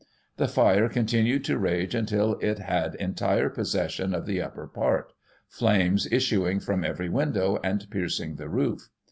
The fire continued to rage until it had entire possession of the upper part ; flames issuing from every window, and piercing the roof.